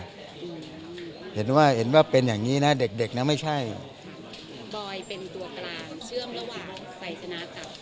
บอยเป็นตัวกลางเชื่อมระหว่างใสสนาน